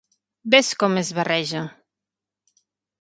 Ves com es barreja!